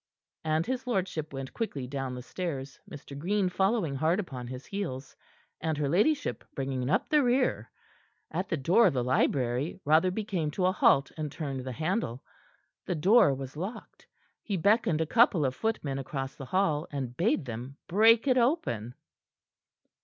And his lordship went quickly down the stairs, Mr. Green following hard upon his heels, and her ladyship bringing up the rear. At the door of the library Rotherby came to a halt, and turned the handle. The door was locked. He beckoned a couple of footmen across the hall, and bade them break it open.